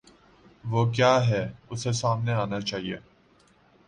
وہ کیا ہے، اسے سامنے آنا چاہیے۔